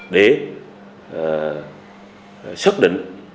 để xác định